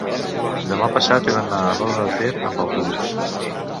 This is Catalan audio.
demà passat he d'anar a Roda de Ter amb autobús.